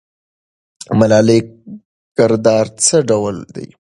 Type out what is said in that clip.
د ملالۍ کردار څه ډول دی؟